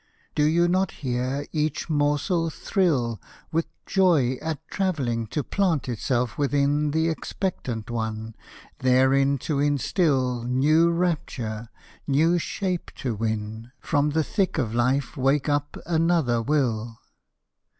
Do you not hear each morsel thrill With joy at travelling to plant itself within The expectant one, therein to instil New rapture, new shape to win, From the thick of life wake up another will?